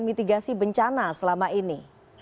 mitigasi bencana selama ini